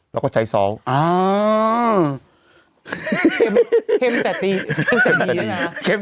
เราก็ใช้ซ้อค